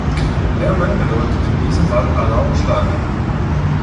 Lärmen bedeutet in diesem Fall "Alarm schlagen".